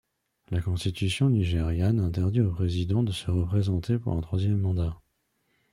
La constitution nigériane interdit au président de se représenter pour un troisième mandat.